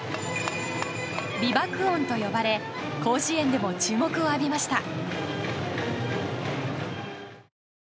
美爆音と呼ばれ甲子園でも注目を浴びました。